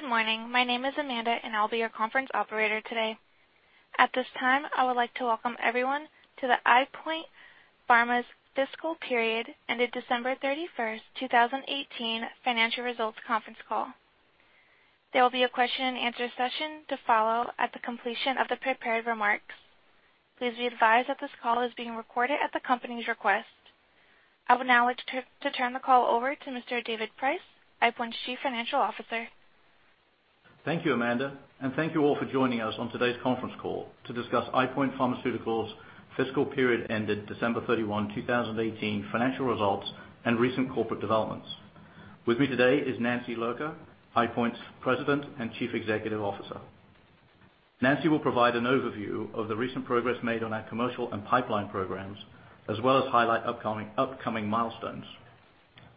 Good morning. My name is Amanda, and I'll be your conference operator today. At this time, I would like to welcome everyone to EyePoint Pharmaceuticals' fiscal period ended December 31, 2018 financial results conference call. There will be a question and answer session to follow at the completion of the prepared remarks. Please be advised that this call is being recorded at the company's request. I would now like to turn the call over to Mr. David Price, EyePoint's Chief Financial Officer. Thank you, Amanda, and thank you all for joining us on today's conference call to discuss EyePoint Pharmaceuticals' fiscal period ended December 31, 2018 financial results and recent corporate developments. With me today is Nancy Lurker, EyePoint's President and Chief Executive Officer. Nancy will provide an overview of the recent progress made on our commercial and pipeline programs, as well as highlight upcoming milestones.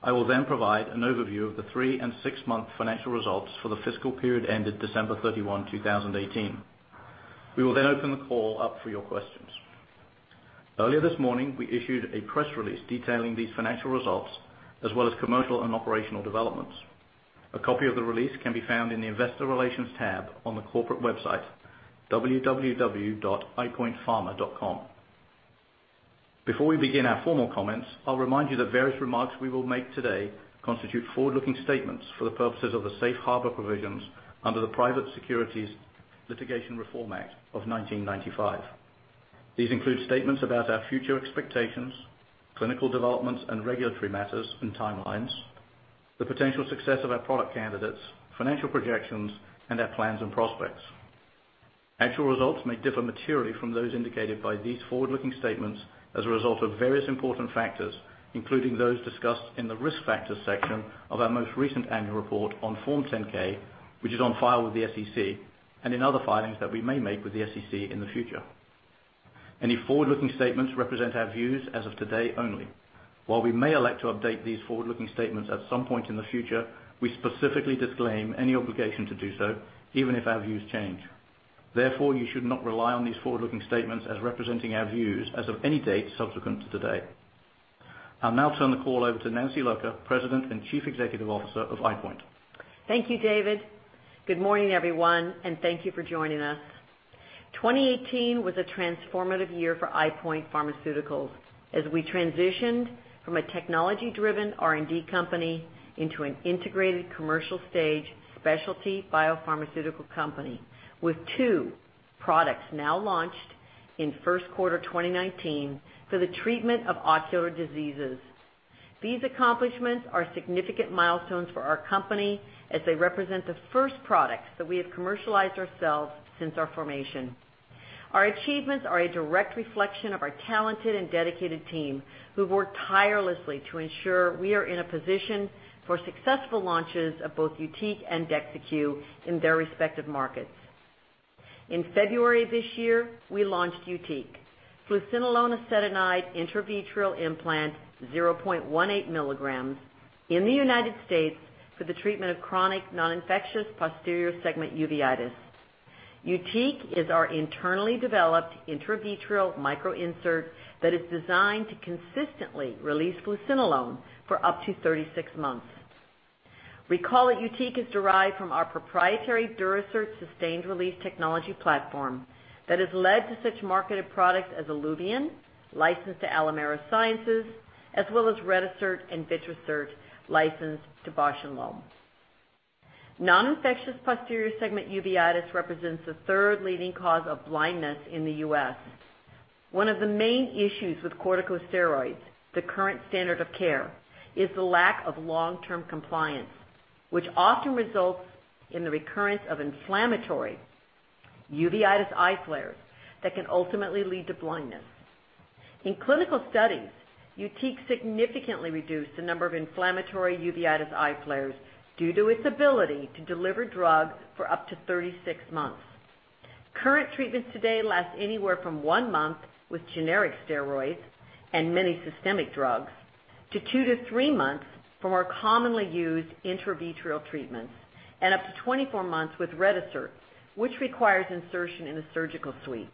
I will then provide an overview of the three- and six-month financial results for the fiscal period ended December 31, 2018. We will then open the call up for your questions. Earlier this morning, we issued a press release detailing these financial results, as well as commercial and operational developments. A copy of the release can be found in the investor relations tab on the corporate website, www.eyepointpharma.com. Before we begin our formal comments, I'll remind you that various remarks we will make today constitute forward-looking statements for the purposes of the safe harbor provisions under the Private Securities Litigation Reform Act of 1995. These include statements about our future expectations, clinical developments, and regulatory matters and timelines, the potential success of our product candidates, financial projections, and our plans and prospects. Actual results may differ materially from those indicated by these forward-looking statements as a result of various important factors, including those discussed in the risk factors section of our most recent annual report on Form 10-K, which is on file with the SEC and in other filings that we may make with the SEC in the future. Any forward-looking statements represent our views as of today only. While we may elect to update these forward-looking statements at some point in the future, we specifically disclaim any obligation to do so, even if our views change. Therefore, you should not rely on these forward-looking statements as representing our views as of any date subsequent to today. I'll now turn the call over to Nancy Lurker, President and Chief Executive Officer of EyePoint. Thank you, David. Good morning, everyone, and thank you for joining us. 2018 was a transformative year for EyePoint Pharmaceuticals as we transitioned from a technology-driven R&D company into an integrated commercial stage specialty biopharmaceutical company with two products now launched in first quarter 2019 for the treatment of ocular diseases. These accomplishments are significant milestones for our company as they represent the first products that we have commercialized ourselves since our formation. Our achievements are a direct reflection of our talented and dedicated team, who've worked tirelessly to ensure we are in a position for successful launches of both YUTIQ and DEXYCU in their respective markets. In February this year, we launched YUTIQ, fluocinolone acetonide intravitreal implant 0.18 milligrams in the U.S. for the treatment of chronic non-infectious posterior segment uveitis. YUTIQ is our internally developed intravitreal micro-insert that is designed to consistently release fluocinolone for up to 36 months. Recall that YUTIQ is derived from our proprietary Durasert sustained release technology platform that has led to such marketed products as ILUVIEN, licensed to Alimera Sciences, as well as RETISERT and Vitrasert, licensed to Bausch + Lomb. Non-infectious posterior segment uveitis represents the third leading cause of blindness in the U.S. One of the main issues with corticosteroids, the current standard of care, is the lack of long-term compliance, which often results in the recurrence of inflammatory uveitis eye flares that can ultimately lead to blindness. In clinical studies, YUTIQ significantly reduced the number of inflammatory uveitis eye flares due to its ability to deliver drugs for up to 36 months. Current treatments today last anywhere from one month with generic steroids and many systemic drugs to two to three months from our commonly used intravitreal treatments and up to 24 months with RETISERT, which requires insertion in a surgical suite.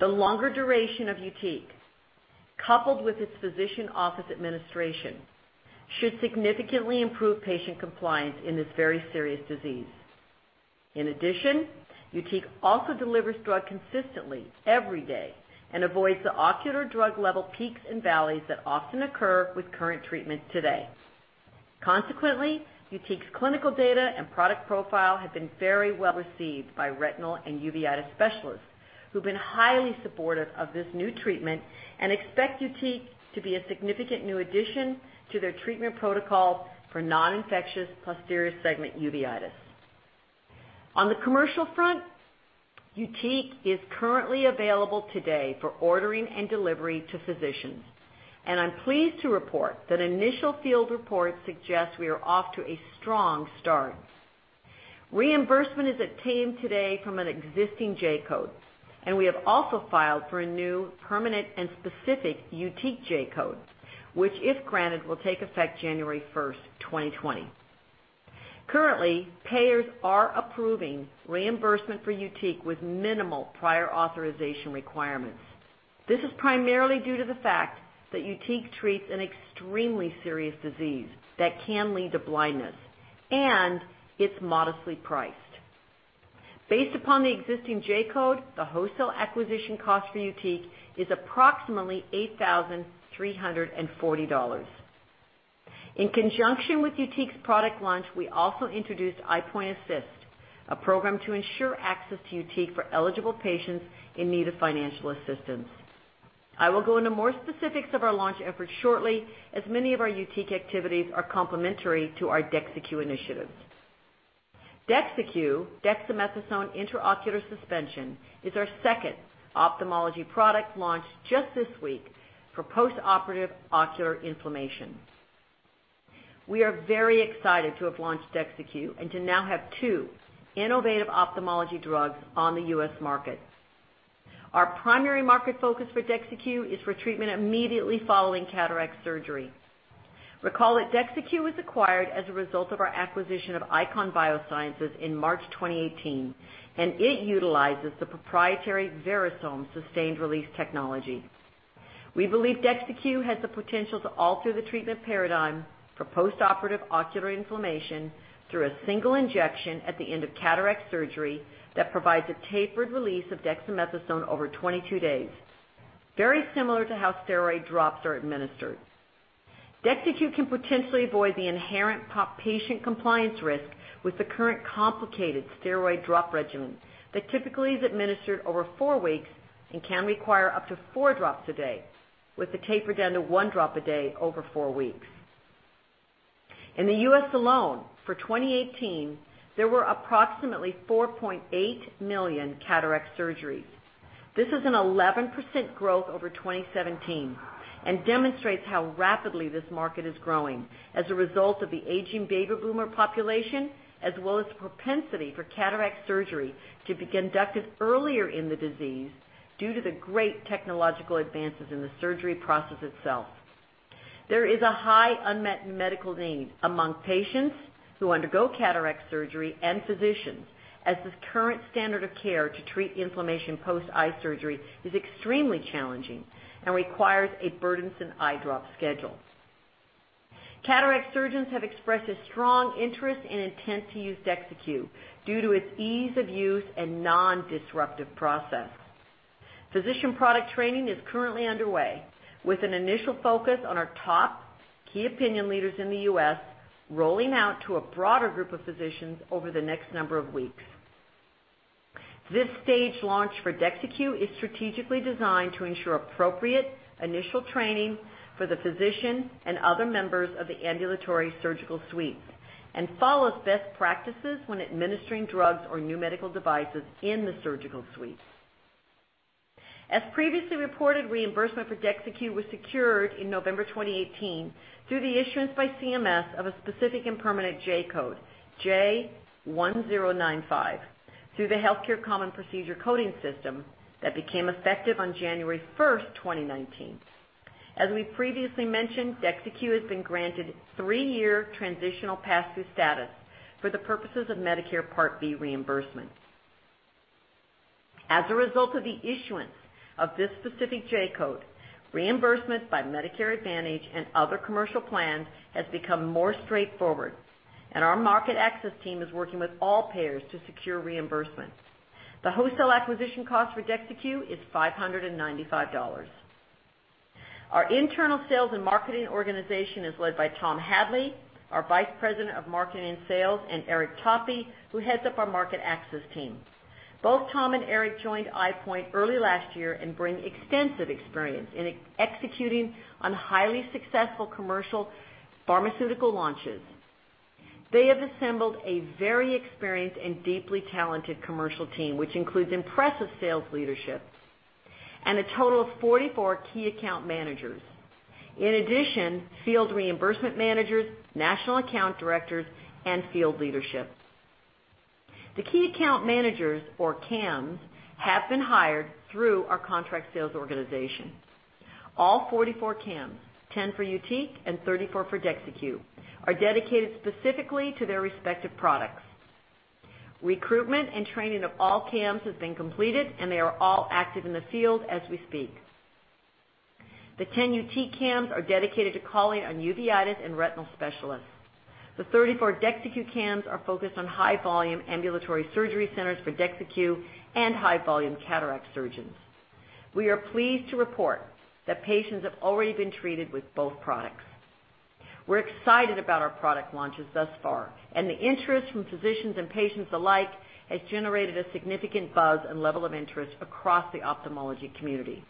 The longer duration of YUTIQ, coupled with its physician office administration, should significantly improve patient compliance in this very serious disease. In addition, YUTIQ also delivers drug consistently every day and avoids the ocular drug level peaks and valleys that often occur with current treatments today. Consequently, YUTIQ's clinical data and product profile have been very well received by retinal and uveitis specialists who've been highly supportive of this new treatment and expect YUTIQ to be a significant new addition to their treatment protocol for non-infectious posterior segment uveitis. On the commercial front, YUTIQ is currently available today for ordering and delivery to physicians, and I'm pleased to report that initial field reports suggest we are off to a strong start. Reimbursement is obtained today from an existing J-code, and we have also filed for a new, permanent, and specific YUTIQ J-code, which, if granted, will take effect January 1st, 2020. Currently, payers are approving reimbursement for YUTIQ with minimal prior authorization requirements. This is primarily due to the fact that YUTIQ treats an extremely serious disease that can lead to blindness, and it's modestly priced. Based upon the existing J-code, the wholesale acquisition cost for YUTIQ is approximately $8,340. In conjunction with YUTIQ's product launch, we also introduced EyePoint Assist, a program to ensure access to YUTIQ for eligible patients in need of financial assistance. I will go into more specifics of our launch effort shortly, as many of our YUTIQ activities are complementary to our DEXYCU initiative. DEXYCU, dexamethasone intraocular suspension, is our second ophthalmology product launch just this week for postoperative ocular inflammation. We are very excited to have launched DEXYCU and to now have two innovative ophthalmology drugs on the U.S. market. Our primary market focus for DEXYCU is for treatment immediately following cataract surgery. Recall that DEXYCU was acquired as a result of our acquisition of Icon Bioscience in March 2018, and it utilizes the proprietary Verisome sustained release technology. We believe DEXYCU has the potential to alter the treatment paradigm for postoperative ocular inflammation through a single injection at the end of cataract surgery that provides a tapered release of dexamethasone over 22 days, very similar to how steroid drops are administered. DEXYCU can potentially avoid the inherent patient compliance risk with the current complicated steroid drop regimen that typically is administered over four weeks and can require up to four drops a day, with a taper down to one drop a day over four weeks. In the U.S. alone, for 2018, there were approximately 4.8 million cataract surgeries. This is an 11% growth over 2017 and demonstrates how rapidly this market is growing as a result of the aging baby boomer population, as well as the propensity for cataract surgery to be conducted earlier in the disease due to the great technological advances in the surgery process itself. There is a high unmet medical need among patients who undergo cataract surgery and physicians, as the current standard of care to treat inflammation post eye surgery is extremely challenging and requires a burdensome eye drop schedule. Cataract surgeons have expressed a strong interest and intent to use DEXYCU due to its ease of use and non-disruptive process. Physician product training is currently underway with an initial focus on our top key opinion leaders in the U.S., rolling out to a broader group of physicians over the next number of weeks. This stage launch for DEXYCU is strategically designed to ensure appropriate initial training for the physician and other members of the ambulatory surgical suite and follows best practices when administering drugs or new medical devices in the surgical suite. As previously reported, reimbursement for DEXYCU was secured in November 2018 through the issuance by CMS of a specific and permanent J-code, J1095, through the Healthcare Common Procedure Coding System that became effective on January 1, 2019. As we previously mentioned, DEXYCU has been granted three-year transitional pass-through status for the purposes of Medicare Part B reimbursement. As a result of the issuance of this specific J-code, reimbursement by Medicare Advantage and other commercial plans has become more straightforward. Our market access team is working with all payers to secure reimbursement. The wholesale acquisition cost for DEXYCU is $595. Our internal sales and marketing organization is led by Tom Hadley, our Vice President of Marketing and Sales, and Eric Toppi, who heads up our market access team. Both Tom and Eric joined EyePoint early last year and bring extensive experience in executing on highly successful commercial pharmaceutical launches. They have assembled a very experienced and deeply talented commercial team, which includes impressive sales leadership and a total of 44 key account managers. In addition, field reimbursement managers, national account directors, and field leadership. The key account managers, or KAMs, have been hired through our contract sales organization. All 44 KAMs, 10 for YUTIQ and 34 for DEXYCU, are dedicated specifically to their respective products. Recruitment and training of all KAMs has been completed, and they are all active in the field as we speak. The 10 YUTIQ KAMs are dedicated to calling on uveitis and retinal specialists. The 34 DEXYCU KAMs are focused on high-volume ambulatory surgery centers for DEXYCU and high-volume cataract surgeons. We are pleased to report that patients have already been treated with both products. We're excited about our product launches thus far, and the interest from physicians and patients alike has generated a significant buzz and level of interest across the ophthalmology community.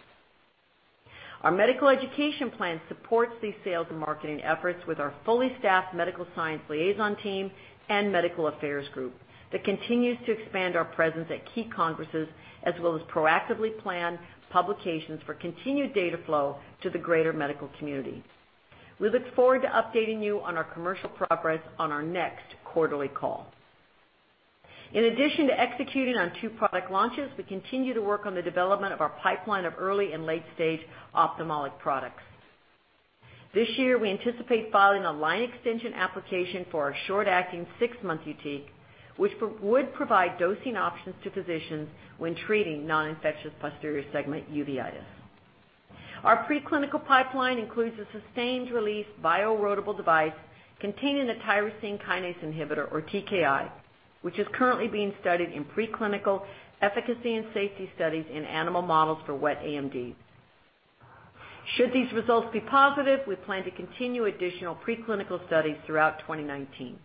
Our medical education plan supports these sales and marketing efforts with our fully staffed medical science liaison team and medical affairs group that continues to expand our presence at key congresses, as well as proactively plan publications for continued data flow to the greater medical community. We look forward to updating you on our commercial progress on our next quarterly call. In addition to executing on two product launches, we continue to work on the development of our pipeline of early and late-stage ophthalmic products. This year, we anticipate filing a line extension application for our short-acting six-month YUTIQ, which would provide dosing options to physicians when treating non-infectious posterior segment uveitis. Our preclinical pipeline includes a sustained release bioerodible device containing a tyrosine kinase inhibitor, or TKI, which is currently being studied in preclinical efficacy and safety studies in animal models for wet AMD. Should these results be positive, we plan to continue additional preclinical studies throughout 2019.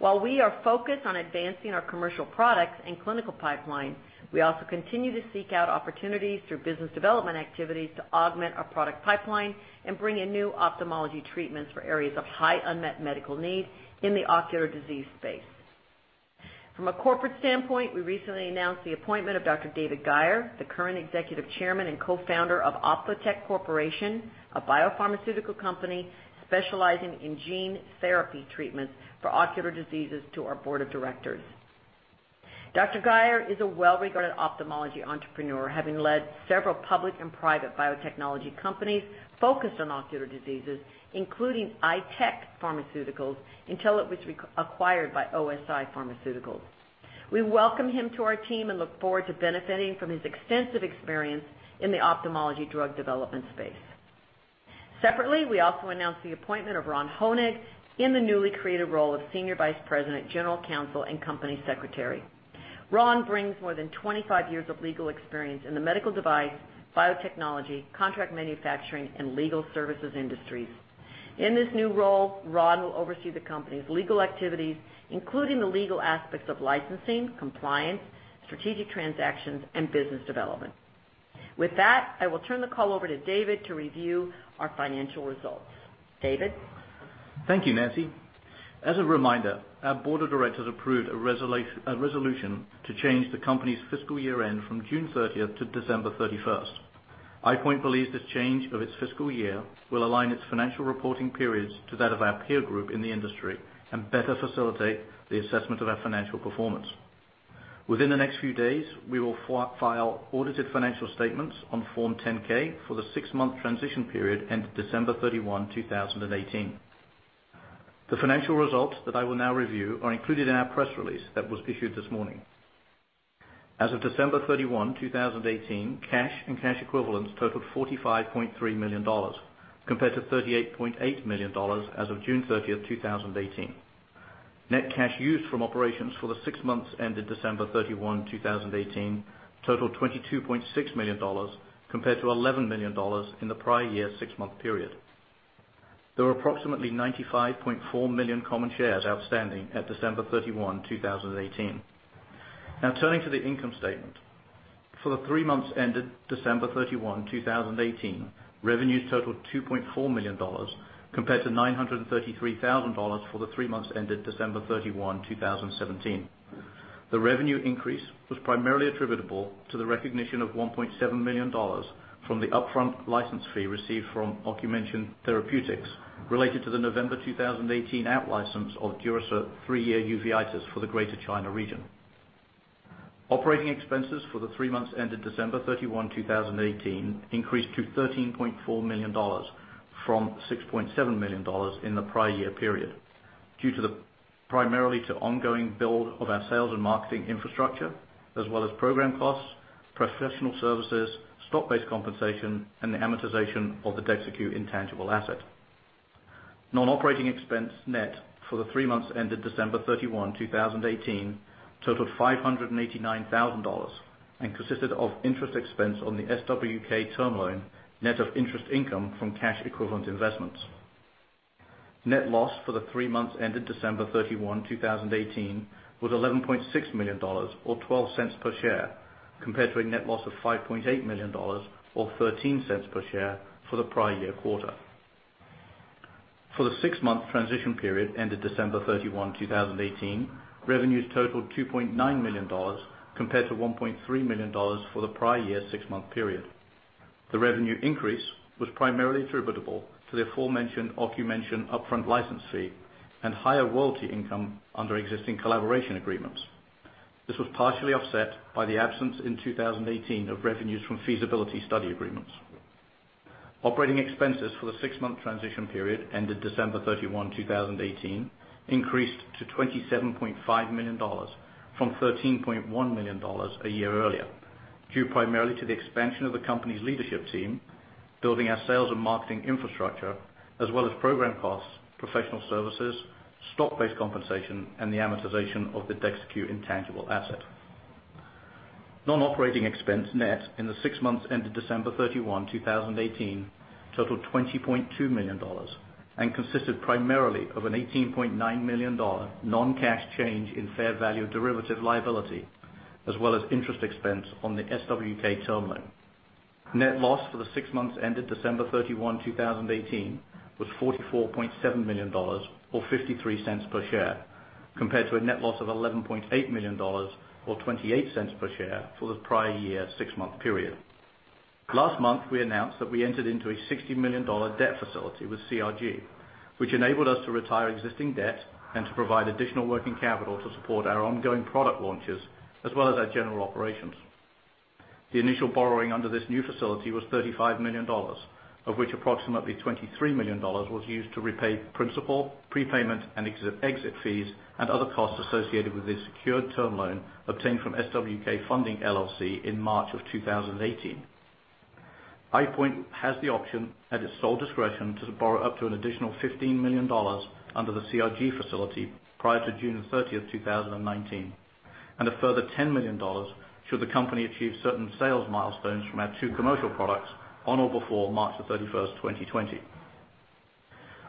While we are focused on advancing our commercial products and clinical pipeline, we also continue to seek out opportunities through business development activities to augment our product pipeline and bring in new ophthalmology treatments for areas of high unmet medical need in the ocular disease space. From a corporate standpoint, we recently announced the appointment of Dr. David Guyer, the current Executive Chairman and co-founder of Ophthotech Corporation, a biopharmaceutical company specializing in gene therapy treatments for ocular diseases, to our board of directors. Dr. Guyer is a well-regarded ophthalmology entrepreneur, having led several public and private biotechnology companies focused on ocular diseases, including EyeTech Pharmaceuticals, until it was acquired by OSI Pharmaceuticals. We welcome him to our team and look forward to benefiting from his extensive experience in the ophthalmology drug development space. Separately, we also announced the appointment of Ron Honig in the newly created role of Senior Vice President, General Counsel, and Company Secretary. Ron brings more than 25 years of legal experience in the medical device, biotechnology, contract manufacturing, and legal services industries. In this new role, Ron will oversee the company's legal activities, including the legal aspects of licensing, compliance, strategic transactions, and business development. With that, I will turn the call over to David to review our financial results. David? Thank you, Nancy. As a reminder, our board of directors approved a resolution to change the company's fiscal year-end from June 30 to December 31. EyePoint believes this change of its fiscal year will align its financial reporting periods to that of our peer group in the industry and better facilitate the assessment of our financial performance. Within the next few days, we will file audited financial statements on Form 10-K for the six-month transition period ended December 31, 2018. The financial results that I will now review are included in our press release that was issued this morning. As of December 31, 2018, cash and cash equivalents totaled $45.3 million, compared to $38.8 million as of June 30, 2018. Net cash used from operations for the six months ended December 31, 2018 totaled $22.6 million, compared to $11 million in the prior year six-month period. There were approximately 95.4 million common shares outstanding at December 31, 2018. Now turning to the income statement. For the three months ended December 31, 2018, revenues totaled $2.4 million, compared to $933,000 for the three months ended December 31, 2017. The revenue increase was primarily attributable to the recognition of $1.7 million from the upfront license fee received from Ocumension Therapeutics related to the November 2018 outlicense of Durasert three-year uveitis for the Greater China region. Operating expenses for the three months ended December 31, 2018 increased to $13.4 million from $6.7 million in the prior year period, due primarily to ongoing build of our sales and marketing infrastructure, as well as program costs, professional services, stock-based compensation, and the amortization of the DEXYCU intangible asset. Non-operating expense net for the three months ended December 31, 2018 totaled $589,000 and consisted of interest expense on the SWK term loan, net of interest income from cash equivalent investments. Net loss for the three months ended December 31, 2018 was $11.6 million or $0.12 per share, compared to a net loss of $5.8 million or $0.13 per share for the prior year quarter. For the six-month transition period ended December 31, 2018, revenues totaled $2.9 million compared to $1.3 million for the prior year six-month period. The revenue increase was primarily attributable to the aforementioned Ocumension upfront license fee and higher royalty income under existing collaboration agreements. This was partially offset by the absence in 2018 of revenues from feasibility study agreements. Operating expenses for the six-month transition period ended December 31, 2018 increased to $27.5 million from $13.1 million a year earlier, due primarily to the expansion of the company's leadership team, building our sales and marketing infrastructure, as well as program costs, professional services, stock-based compensation, and the amortization of the DEXYCU intangible asset. Non-operating expense net in the six months ended December 31, 2018 totaled $20.2 million and consisted primarily of an $18.9 million non-cash change in fair value derivative liability, as well as interest expense on the SWK term loan. Net loss for the six months ended December 31, 2018 was $44.7 million or $0.53 per share, compared to a net loss of $11.8 million or $0.28 per share for the prior year six-month period. Last month, we announced that we entered into a $60 million debt facility with CRG, which enabled us to retire existing debt and to provide additional working capital to support our ongoing product launches as well as our general operations. The initial borrowing under this new facility was $35 million, of which approximately $23 million was used to repay principal, prepayment and exit fees and other costs associated with this secured term loan obtained from SWK Funding LLC in March of 2018. EyePoint has the option at its sole discretion to borrow up to an additional $15 million under the CRG facility prior to June 30th, 2019, and a further $10 million should the company achieve certain sales milestones from our two commercial products on or before March 31st, 2020.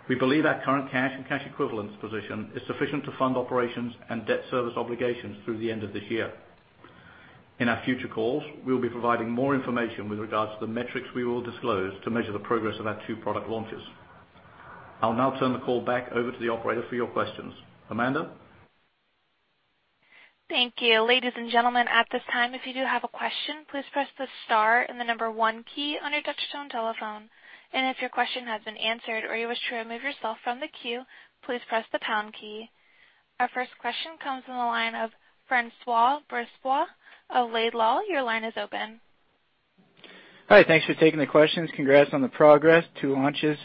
We believe our current cash and cash equivalents position is sufficient to fund operations and debt service obligations through the end of this year. In our future calls, we'll be providing more information with regards to the metrics we will disclose to measure the progress of our two product launches. I'll now turn the call back over to the operator for your questions. Amanda? Thank you. Ladies and gentlemen, at this time, if you do have a question, please press the star and the number one key on your touch-tone telephone. If your question has been answered or you wish to remove yourself from the queue, please press the pound key. Our first question comes from the line of Francois Brisebois of Laidlaw. Your line is open. Hi. Thanks for taking the questions. Congrats on the progress. Two launches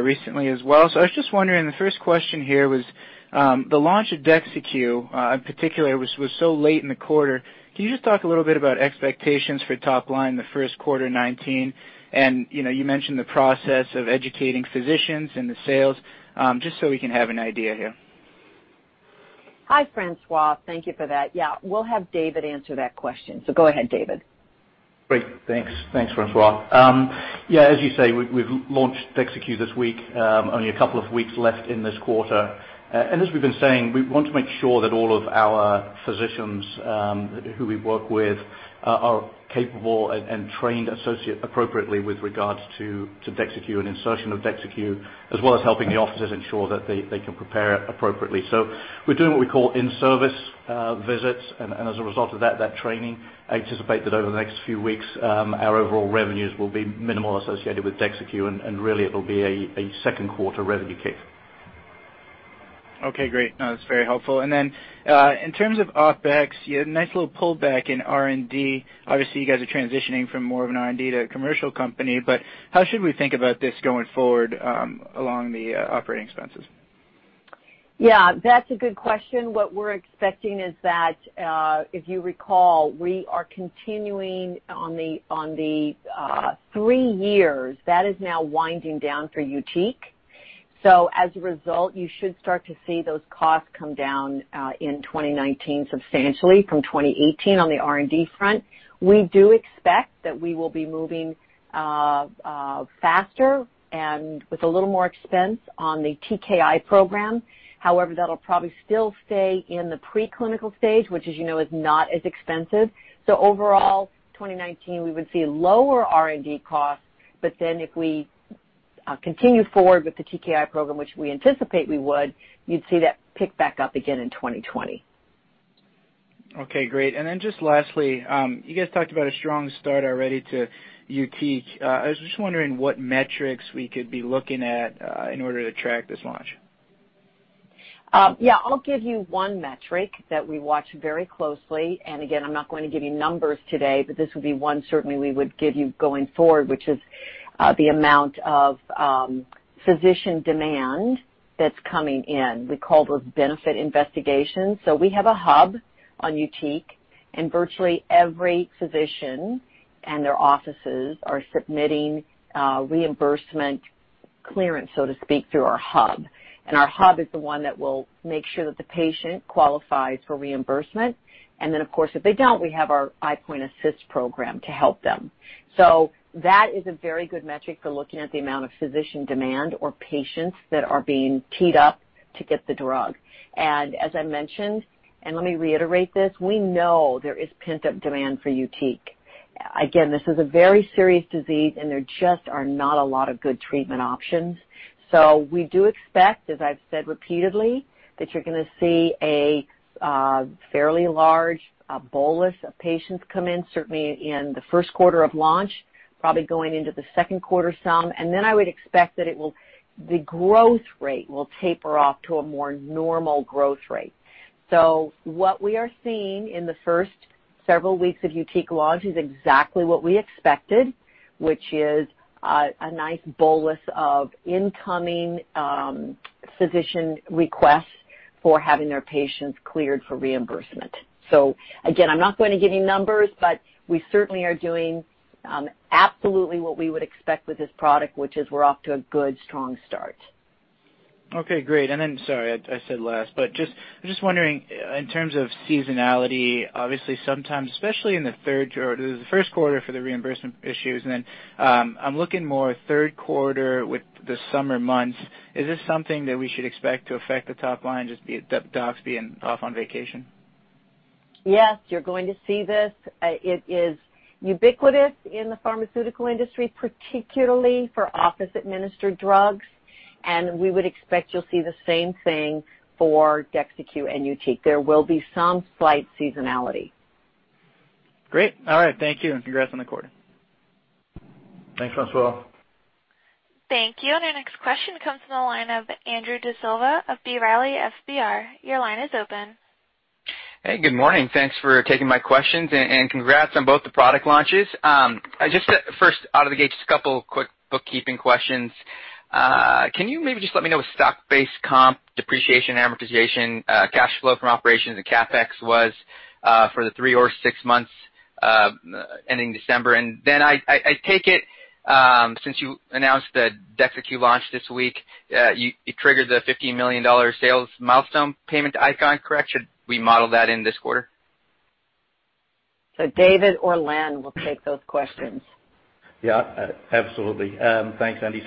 recently as well. I was just wondering, the first question here was, the launch of DEXYCU, in particular, was so late in the quarter. Can you just talk a little bit about expectations for top line in the first quarter 2019? You mentioned the process of educating physicians and the sales, just so we can have an idea here. Hi, Francois. Thank you for that. We'll have David answer that question. Go ahead, David. Great. Thanks, Francois. As you say, we've launched DEXYCU this week, only a couple of weeks left in this quarter. As we've been saying, we want to make sure that all of our physicians who we work with are capable and trained appropriately with regards to DEXYCU and insertion of DEXYCU, as well as helping the offices ensure that they can prepare it appropriately. We're doing what we call in-service visits, and as a result of that training, I anticipate that over the next few weeks, our overall revenues will be minimal associated with DEXYCU, and really, it'll be a second quarter revenue kick. Great. That's very helpful. In terms of OpEx, you had a nice little pullback in R&D. You guys are transitioning from more of an R&D to a commercial company, but how should we think about this going forward along the operating expenses? That's a good question. What we're expecting is that, if you recall, we are continuing on the three years. That is now winding down for YUTIQ. As a result, you should start to see those costs come down in 2019 substantially from 2018 on the R&D front. We do expect that we will be moving faster and with a little more expense on the TKI program. However, that'll probably still stay in the pre-clinical stage, which as you know, is not as expensive. Overall, 2019, we would see lower R&D costs, but then if we continue forward with the TKI program, which we anticipate we would, you'd see that pick back up again in 2020. Okay, great. Just lastly, you guys talked about a strong start already to YUTIQ. I was just wondering what metrics we could be looking at in order to track this launch. Yeah, I'll give you one metric that we watch very closely. Again, I'm not going to give you numbers today, but this would be one certainly we would give you going forward, which is the amount of physician demand that's coming in. We call those benefit investigations. We have a hub on YUTIQ, and virtually every physician and their offices are submitting reimbursement clearance, so to speak, through our hub. Our hub is the one that will make sure that the patient qualifies for reimbursement. Then, of course, if they don't, we have our EyePoint Assist program to help them. That is a very good metric for looking at the amount of physician demand or patients that are being teed up to get the drug. As I mentioned, and let me reiterate this, we know there is pent-up demand for YUTIQ. Again, this is a very serious disease, and there just are not a lot of good treatment options. We do expect, as I've said repeatedly, that you're going to see a fairly large bolus of patients come in, certainly in the first quarter of launch, probably going into the second quarter some. Then I would expect that the growth rate will taper off to a more normal growth rate. What we are seeing in the first several weeks of YUTIQ launch is exactly what we expected, which is a nice bolus of incoming physician requests for having their patients cleared for reimbursement. Again, I'm not going to give you numbers, but we certainly are doing absolutely what we would expect with this product, which is we're off to a good, strong start. Okay, great. Sorry, I said last, I'm just wondering in terms of seasonality, obviously sometimes, especially in the first quarter for the reimbursement issues, I'm looking more third quarter with the summer months. Is this something that we should expect to affect the top line, just docs being off on vacation? Yes, you're going to see this. It is ubiquitous in the pharmaceutical industry, particularly for office-administered drugs, we would expect you'll see the same thing for DEXYCU and YUTIQ. There will be some slight seasonality. Great. All right. Thank you, congrats on the quarter. Thanks, Francois. Thank you. Our next question comes from the line of Andrew D'Silva of B. Riley FBR. Your line is open. Good morning. Thanks for taking my questions, and congrats on both the product launches. First out of the gate, just a couple of quick bookkeeping questions. Can you maybe just let me know what stock-based comp, depreciation, amortization, cash flow from operations, and CapEx was for the three or six months ending December? I take it, since you announced that DEXYCU launched this week, it triggered the $15 million sales milestone payment to Icon, correct? Should we model that in this quarter? David [or Len] will take those questions. Absolutely. Thanks, Andy.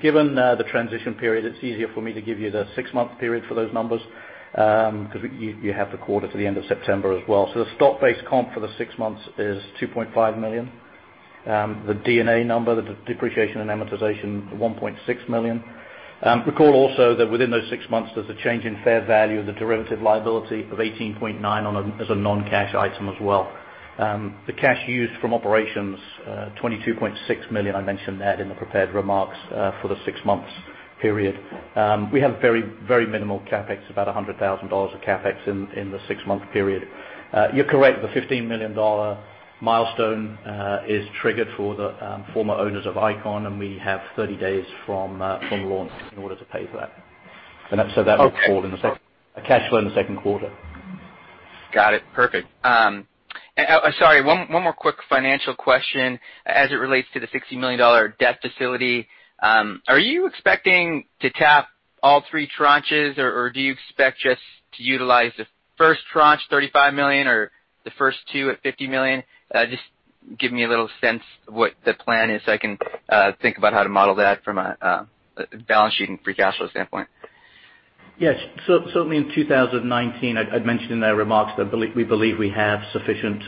Given the transition period, it's easier for me to give you the six-month period for those numbers, because you have the quarter to the end of September as well. The stock-based comp for the six months is $2.5 million. The D&A number, the depreciation and amortization, $1.6 million. Recall also that within those six months, there's a change in fair value of the derivative liability of $18.9 million as a non-cash item as well. The cash used from operations, $22.6 million. I mentioned that in the prepared remarks for the six months period. We have very minimal CapEx, about $100,000 of CapEx in the six-month period. You're correct, the $15 million milestone is triggered for the former owners of Icon, and we have 30 days from launch in order to pay for that. Okay. That will fall in the cash flow in the second quarter. Got it. Perfect. Sorry, one more quick financial question. As it relates to the $60 million debt facility, are you expecting to tap all 3 tranches, or do you expect just to utilize the first tranche, $35 million, or the first two at $50 million? Just give me a little sense of what the plan is so I can think about how to model that from a balance sheet and free cash flow standpoint. Yes. Certainly in 2019, I'd mentioned in their remarks that we believe we have sufficient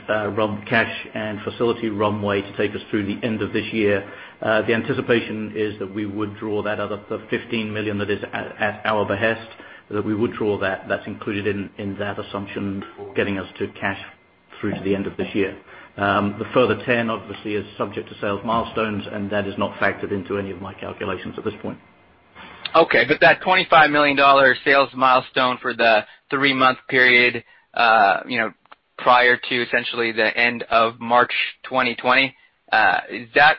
cash and facility runway to take us through the end of this year. The anticipation is that we would draw that other $15 million that is at our behest, that we would draw that. That's included in that assumption for getting us to cash through to the end of this year. The further 10 obviously is subject to sales milestones, and that is not factored into any of my calculations at this point. Okay. That $25 million sales milestone for the 3-month period prior to essentially the end of March 2020, is that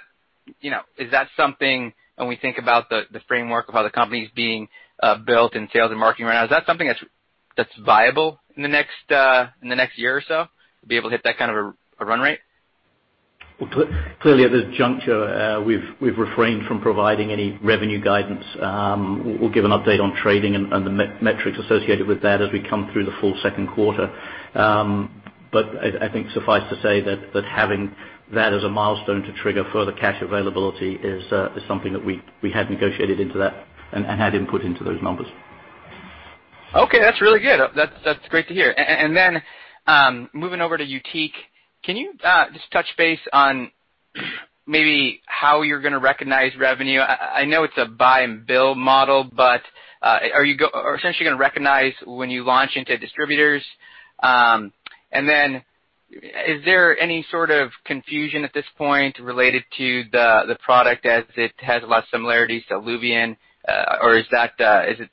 something when we think about the framework of how the company's being built in sales and marketing right now, is that something that's viable in the next year or so to be able to hit that kind of a run rate? Well, clearly, at this juncture, we've refrained from providing any revenue guidance. We'll give an update on trading and the metrics associated with that as we come through the full second quarter. I think suffice to say that having that as a milestone to trigger further cash availability is something that we had negotiated into that and had input into those numbers. That's really good. That's great to hear. Moving over to YUTIQ, can you just touch base on maybe how you're going to recognize revenue? I know it's a buy and bill model, but are you essentially going to recognize when you launch into distributors? Is there any sort of confusion at this point related to the product as it has less similarities to ILUVIEN? Or is it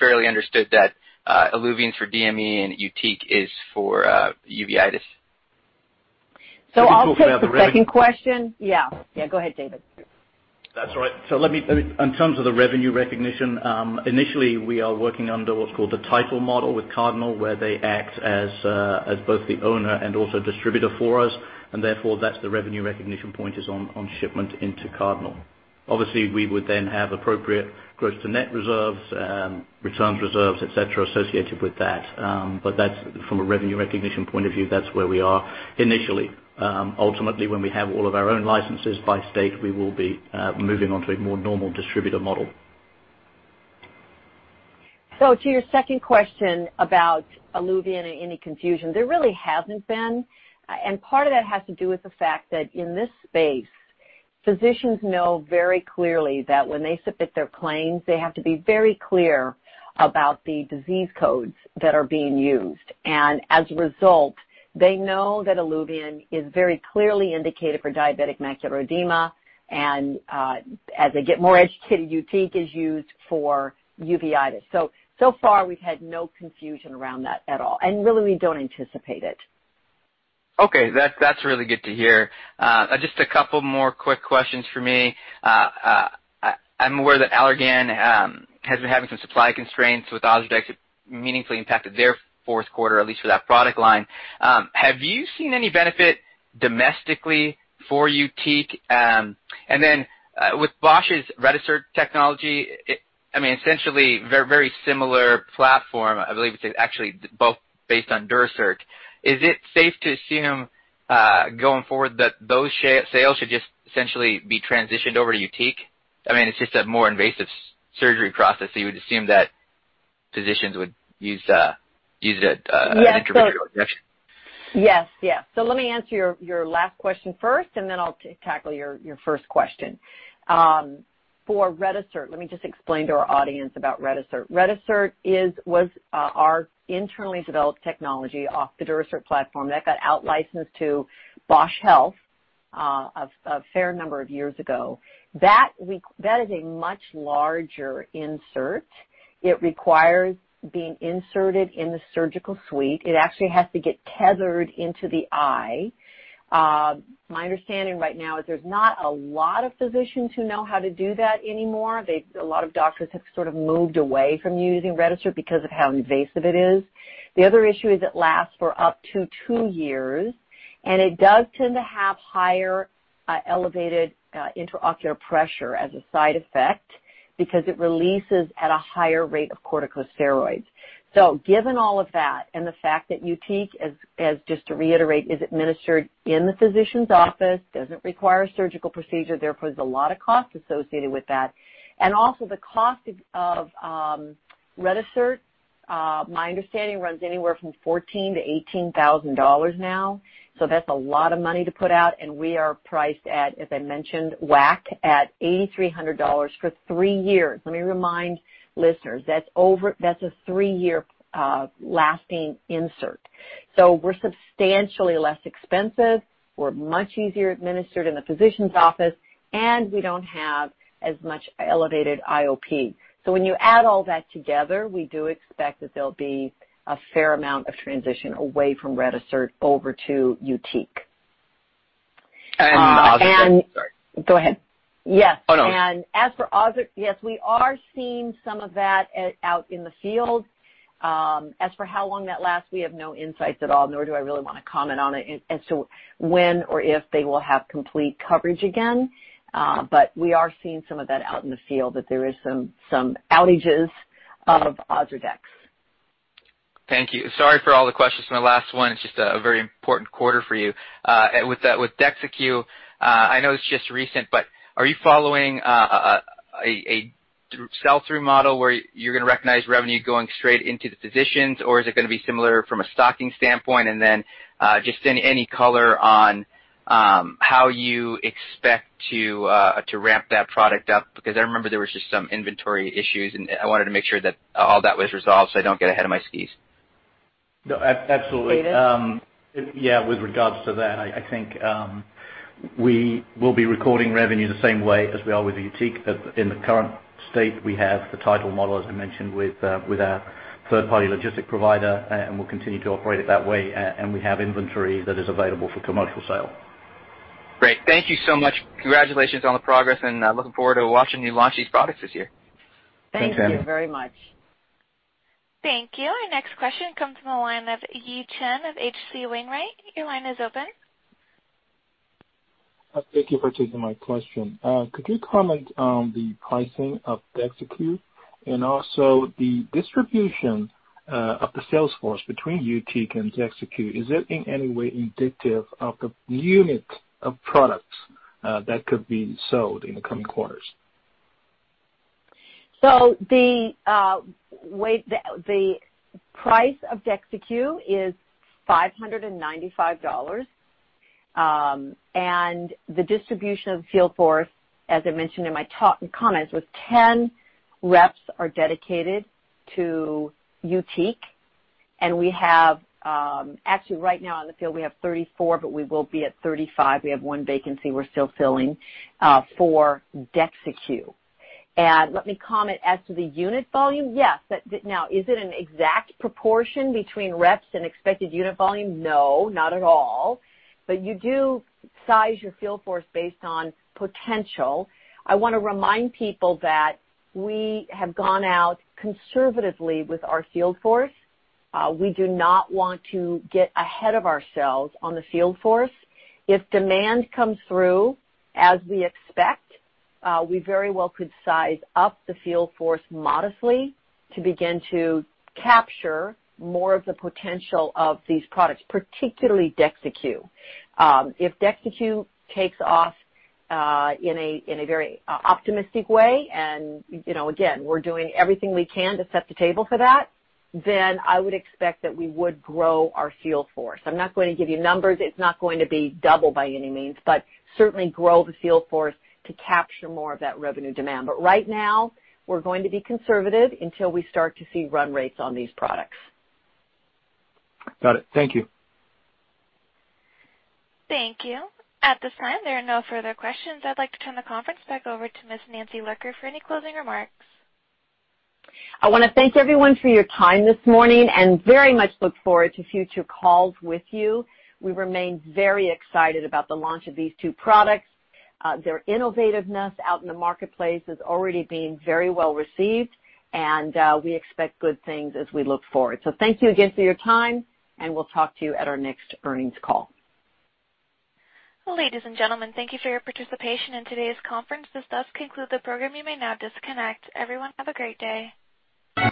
fairly understood that ILUVIEN's for DME and YUTIQ is for uveitis? I'll take the second question. Can you talk about the re- Yeah. Go ahead, David. That's all right. Let me, in terms of the revenue recognition, initially, we are working under what's called the title model with Cardinal, where they act as both the owner and also distributor for us, and therefore, that's the revenue recognition point is on shipment into Cardinal. Obviously, we would then have appropriate gross-to-net reserves, returns reserves, etc., associated with that. From a revenue recognition point of view, that's where we are initially. Ultimately, when we have all of our own licenses by state, we will be moving on to a more normal distributor model. To your second question about ILUVIEN and any confusion, there really hasn't been. Part of that has to do with the fact that in this space, physicians know very clearly that when they submit their claims, they have to be very clear about the disease codes that are being used. As a result, they know that ILUVIEN is very clearly indicated for diabetic macular edema, and as they get more educated, YUTIQ is used for uveitis. So far we've had no confusion around that at all, and really, we don't anticipate it. Okay. That's really good to hear. Just a couple more quick questions for me. I'm aware that Allergan has been having some supply constraints with OZURDEX. It meaningfully impacted their fourth quarter, at least for that product line. Have you seen any benefit domestically for YUTIQ? Then with Bausch's RETISERT technology, essentially very similar platform. I believe it's actually both based on Durasert. Is it safe to assume going forward that those sales should just essentially be transitioned over to YUTIQ? It's just a more invasive surgery process, so you would assume that physicians would use an intravitreal injection. Yes. Let me answer your last question first, and then I'll tackle your first question. For RETISERT, let me just explain to our audience about RETISERT. RETISERT was our internally developed technology off the Durasert platform that got out-licensed to Bausch Health a fair number of years ago. That is a much larger insert. It requires being inserted in the surgical suite. It actually has to get tethered into the eye. My understanding right now is there's not a lot of physicians who know how to do that anymore. A lot of doctors have sort of moved away from using RETISERT because of how invasive it is. The other issue is it lasts for up to two years, and it does tend to have higher elevated intraocular pressure as a side effect because it releases at a higher rate of corticosteroids. Given all of that and the fact that YUTIQ, just to reiterate, is administered in the physician's office, doesn't require a surgical procedure, therefore there's a lot of cost associated with that. Also the cost of RETISERT, my understanding, runs anywhere from $14,000-$18,000 now. That's a lot of money to put out, and we are priced at, as I mentioned, WAC at $8,300 for three years. Let me remind listeners, that's a three-year lasting insert. We're substantially less expensive. We're much easier administered in the physician's office, and we don't have as much elevated IOP. When you add all that together, we do expect that there'll be a fair amount of transition away from RETISERT over to YUTIQ. OZURDEX. Sorry. Go ahead. Yes. Oh, no. Yes, we are seeing some of that out in the field. As for how long that lasts, we have no insights at all, nor do I really want to comment on it as to when or if they will have complete coverage again. We are seeing some of that out in the field, that there is some outages of OZURDEX. Thank you. Sorry for all the questions in my last one. It's just a very important quarter for you. With DEXYCU, I know it's just recent, but are you following a sell-through model where you're going to recognize revenue going straight into the physicians, or is it going to be similar from a stocking standpoint? Just any color on how you expect to ramp that product up, because I remember there was just some inventory issues, and I wanted to make sure that all that was resolved so I don't get ahead of my skis. No, absolutely. David? With regards to that, I think we will be recording revenue the same way as we are with YUTIQ. In the current state, we have the title model, as I mentioned, with our third-party logistics provider, and we'll continue to operate it that way. We have inventory that is available for commercial sale. Great. Thank you so much. Congratulations on the progress, and looking forward to watching you launch these products this year. Thank you very much. Thanks, Andrew. Thank you. Our next question comes from the line of Yi Chen of H.C. Wainwright. Your line is open. Thank you for taking my question. Could you comment on the pricing of DEXYCU and also the distribution of the sales force between YUTIQ and DEXYCU? Is it in any way indicative of the unit of products that could be sold in the coming quarters? The price of DEXYCU is $595. The distribution of field force, as I mentioned in my comments, was 10 reps are dedicated to YUTIQ, and actually right now in the field, we have 34, but we will be at 35. We have one vacancy we're still filling for DEXYCU. Let me comment as to the unit volume. Yes. Now, is it an exact proportion between reps and expected unit volume? No, not at all. But you do size your field force based on potential. I want to remind people that we have gone out conservatively with our field force. We do not want to get ahead of ourselves on the field force. If demand comes through as we expect, we very well could size up the field force modestly to begin to capture more of the potential of these products, particularly DEXYCU. If DEXYCU takes off in a very optimistic way, and again, we're doing everything we can to set the table for that, I would expect that we would grow our field force. I'm not going to give you numbers. It's not going to be double by any means, but certainly grow the field force to capture more of that revenue demand. Right now, we're going to be conservative until we start to see run rates on these products. Got it. Thank you. Thank you. At this time, there are no further questions. I'd like to turn the conference back over to Ms. Nancy Lurker for any closing remarks. I want to thank everyone for your time this morning and very much look forward to future calls with you. We remain very excited about the launch of these two products. Their innovativeness out in the marketplace is already being very well received, and we expect good things as we look forward. Thank you again for your time, and we'll talk to you at our next earnings call. Ladies and gentlemen, thank you for your participation in today's conference. This does conclude the program. You may now disconnect. Everyone, have a great day.